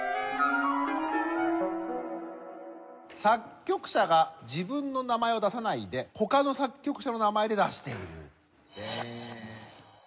作曲者が自分の名前を出さないで他の作曲家の名前で出している！